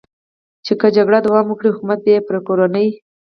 چې که جګړه دوام وکړي، حکومت به یې پر کورنۍ.